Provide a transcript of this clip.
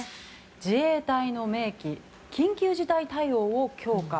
自衛隊の明記緊急事態対応を強化